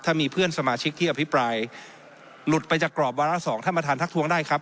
ถ้ามีเพื่อนสมาชิกที่อภิปรายหลุดไปจากกรอบวาระสองท่านประธานทักทวงได้ครับ